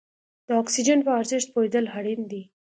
د اکسیجن په ارزښت پوهېدل اړین دي.